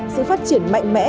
sự phát triển mạnh mẽ